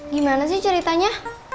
gimana sih ceritanya